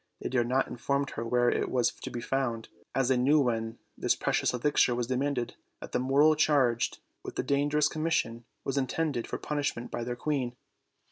They dared not inform her where it was to be found, as they knew when this precious elixir was demanded that the mortal charged with the danger ous commission was iutc^^Jfor punishment by tkeir queen.